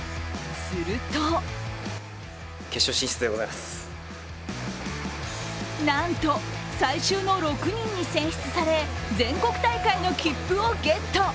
するとなんと、最終の６人に選出され、全国大会の切符をゲット。